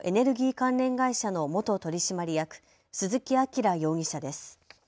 関連会社の元取締役、鈴木晃容疑者です。